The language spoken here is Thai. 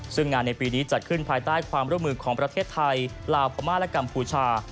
ซึ่งงานในปีนี้จัดขึ้นภายใต้ความร่วมมือของประเทศไทยลาวพม่าและกัมพูชา